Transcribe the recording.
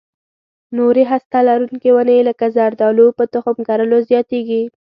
نورې هسته لرونکې ونې لکه زردالو په تخم کرلو زیاتېږي.